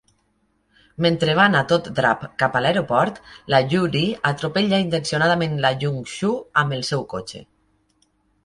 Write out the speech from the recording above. Mentre van a tot drap cap a l'aeroport, la Yoo-ri atropella intencionadament la Jung-suh amb el seu cotxe.